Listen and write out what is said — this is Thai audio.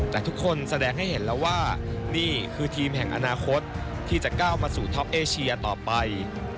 แต่ทุกคนแสดงให้เห็นแล้วว่านี่คือทีมแห่งอนาคตที่จะก้าวมาสู่ท็อปเอเชียต่อไป